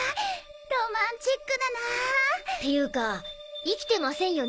ロマンチックだな。っていうか生きてませんよね？